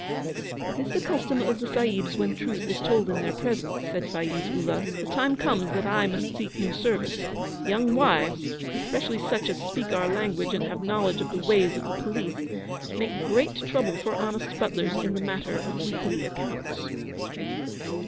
'That is the custom of the Sahibs when truth is told in their presence,' said Faiz Ullah. 'The time comes that I must seek new service. Young wives, especially such as speak our language and have knowledge of the ways of the Police, make great trouble for honest butlers in the matter of weekly accounts.'